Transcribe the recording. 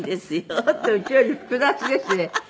ちょっとうちより複雑ですね。ハハハ。